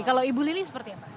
kalau ibu lili seperti apa